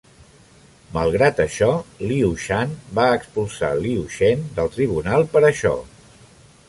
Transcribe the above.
Malgrat això, Liu Shan va expulsar Liu Chen del tribunal per això.